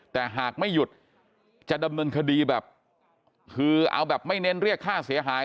แต่หากไม่หยุดจะดำเนินคดีแบบคือเอาแบบไม่เน้นเรียกค่าเสียหาย